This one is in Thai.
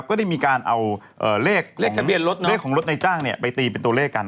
ก็ได้มีการเอาเลขของรถในจ้างไปตีเป็นตัวเลขกัน